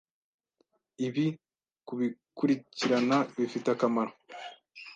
Ibi kubikurikirana bifite akamaro